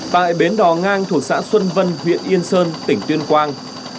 tại bến đò ngang thuộc xã xuân vân huyện yên sơn tỉnh tuyên quang